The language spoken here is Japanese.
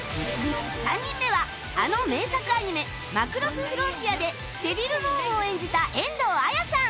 ３人目はあの名作アニメ『マクロス Ｆ』でシェリル・ノームを演じた遠藤綾さん